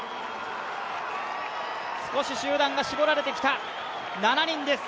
少し集団が絞られてきた７人です。